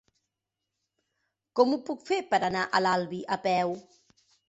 Com ho puc fer per anar a l'Albi a peu?